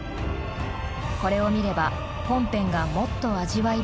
これを見れば本編がもっと味わい深くなる。